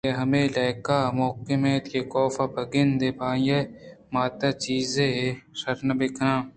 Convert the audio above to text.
آئیءِ ہمے لیکہ مُہکم اَت کہ کاف بہ گندے پہ آئی ءِ ماتءَ چیزے شری بہ کنت